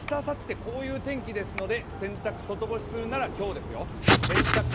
こういう天気ですので洗濯外干しするなら今日ですよ。